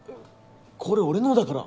これ俺のだから。